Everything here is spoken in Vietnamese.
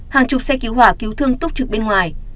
hàng chục xe cứu hỏa cứu thương túc trực bên ngoài